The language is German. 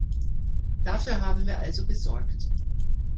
Dafür haben wir also gesorgt.